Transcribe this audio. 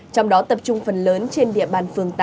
trong đó tập trung phần lớn trên địa bàn phường tám